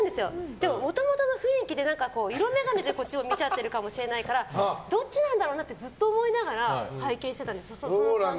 でも、もともとの雰囲気で色眼鏡でこっちを見ちゃってるかもしれないからどっちなんだろうなってずっと思いながら拝見してたんです。